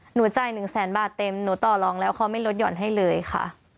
หนูจ่ายหนึ่งแสนบาทเต็มหนูต่อรองแล้วเขาไม่ลดหย่อนให้เลยค่ะ